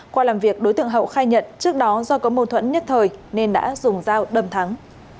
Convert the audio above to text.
qua làm việc đối tượng hậu khai nhận trước đó do có mâu thuẫn nhất thời nên đã dùng dao đâm thắng